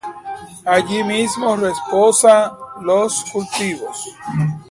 Allí asimismo reposan los cautivos;